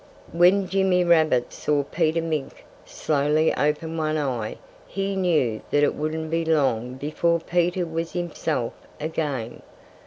When Jimmy Rabbit saw Peter Mink slowly open one eye he knew that it wouldn't be long before Peter was himself again.